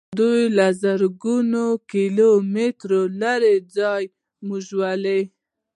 دوی له زرګونو کیلو مترو لیرې ځایه موږ ولي.